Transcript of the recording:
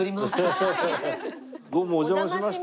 どうもお邪魔しました。